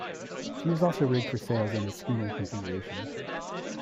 She was also rigged for sails in a Schooner configuration.